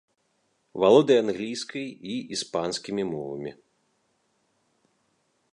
Валодае англійскай і іспанскімі мовамі.